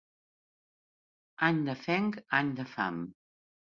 Any de fenc, any de fam.